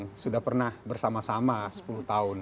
karena mereka sudah pernah bersama sama sepuluh tahun